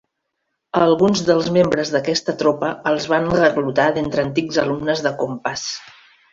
A alguns dels membres d'aquesta tropa els van reclutar d'entre antics alumnes de Compass.